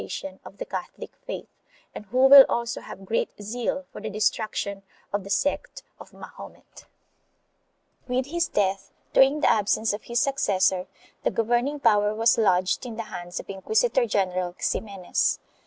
IV] XIMENES ATTEMPTS REFORM 215 tion of the Catholic faith, and who will also have great zeal for the destruction of the sect of Mahomet."1 With his death, during the absence of his successor, the governing power was lodged in the hands of Inquisitor general Ximenes.